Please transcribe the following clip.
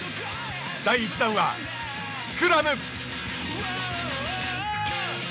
第一弾は、スクラム。